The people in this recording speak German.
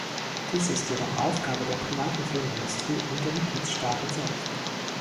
Dies ist jedoch Aufgabe der privaten Filmindustrie und der Mitgliedstaaten selbst.